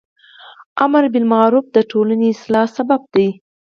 امر بالمعروف د ټولنی اصلاح سبب دی.